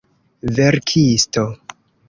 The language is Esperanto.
verkisto